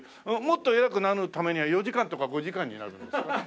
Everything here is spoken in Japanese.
もっと偉くなるためには四事官とか五事官になるんですか？